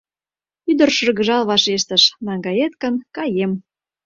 Ӱдыр шыргыжал вашештыш: «Наҥгает гын, каем.